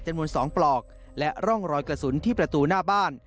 จำนวน๒ปลอกและร่องรอยกระสุนที่ประตูหน้าบ้าน